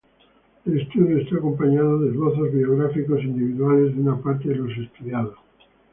El estudio está acompañado de esbozos biográficos individuales de una parte de los estudiados.